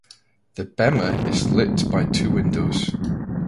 The bema is lit by two windows.